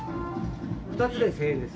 ２つで１，０００円です。